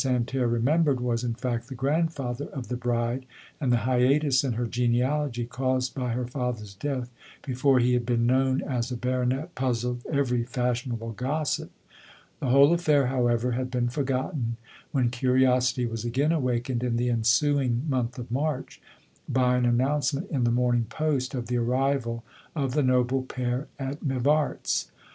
terre remembered, was, in fact, the grandfather of the bride, and the hiatus in her genealogy, caused by her father's death before he had been known as a baronet, puzzled every fashion able gossip. The whole affair, however, had been forgotten, when curiosity was again awakened in the ensuing month of March, by an announcement in the Morning Post, of the arrival of the noble pair at Mivarfs.